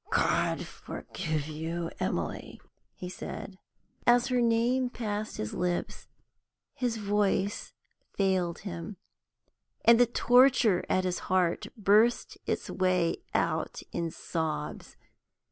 "God forgive you, Emily!" he said. As her name passed his lips, his voice failed him, and the torture at his heart burst its way out in sobs.